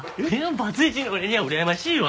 バツイチの俺にゃあうらやましいわ！